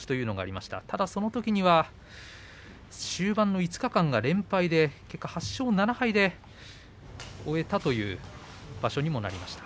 また、そのときには終盤の５日間が連敗で結局８勝７敗で終えたという場所にもなりました。